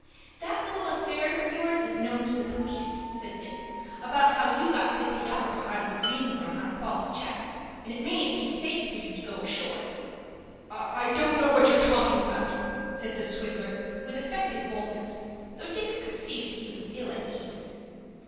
"That little affair of yours is known to the police," said Dick; "about how you got fifty dollars out of a greenhorn on a false check, and it mayn't be safe for you to go ashore." "I don't know what you're talking about," said the swindler with affected boldness, though Dick could see that he was ill at ease.